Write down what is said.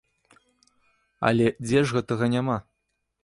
Але дзе ж гэтага няма?